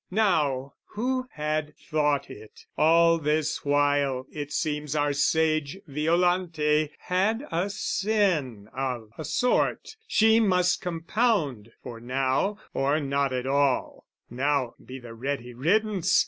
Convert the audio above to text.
Now, who had thought it? All this while, it seems, Our sage Violante had a sin of a sort She must compound for now or not at all: Now be the ready riddance!